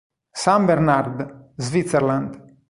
St. Bernard, Switzerland".